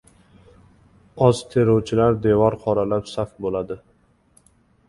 Oz teruvchilar devor qoralab saf bo‘ladi.